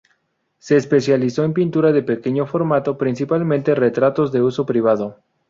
Se especializó en pinturas de pequeño formato, principalmente retratos de uso privado.